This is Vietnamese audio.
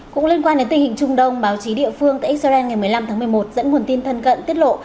cũng liên quan đến tình hình trung đông báo chí địa phương tại israel ngày một mươi năm tháng một mươi một dẫn nguồn tin thân cận tiết lộ